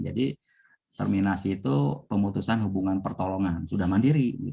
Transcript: jadi terminasi itu pemutusan hubungan pertolongan sudah mandiri